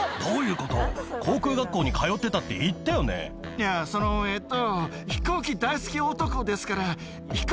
いやそのえっと。